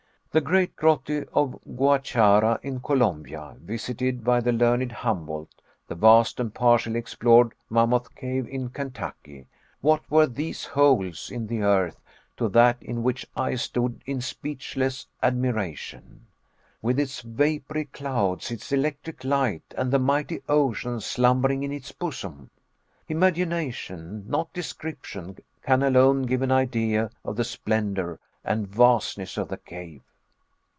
The great grotto of Guachara, in Colombia, visited by the learned Humboldt; the vast and partially explored Mammoth Cave in Kentucky what were these holes in the earth to that in which I stood in speechless admiration! with its vapory clouds, its electric light, and the mighty ocean slumbering in its bosom! Imagination, not description, can alone give an idea of the splendor and vastness of the cave.